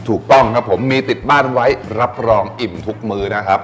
ถูกต้องครับผมมีติดบ้านไว้รับรองอิ่มทุกมื้อนะครับ